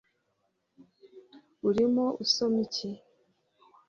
urimo usoma iki